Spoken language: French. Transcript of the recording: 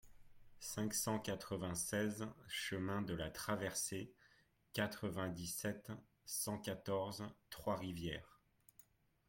cinq cent quatre-vingt-seize chemin de la Traversée, quatre-vingt-dix-sept, cent quatorze, Trois-Rivières